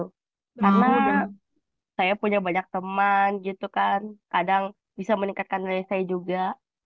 karena saya punya banyak teman gitu kan kadang bisa meningkatkan nilai saya juga